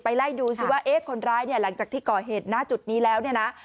ไล่ดูสิว่าเอ๊ะคนร้ายเนี่ยหลังจากที่ก่อเหตุณจุดนี้แล้วเนี่ยนะ